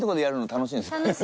楽しいですよね。